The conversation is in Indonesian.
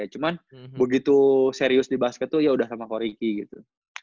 cuman begitu serius di basket tuh ya udah sama koriki gitu